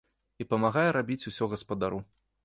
І памагае рабіць усё гаспадару.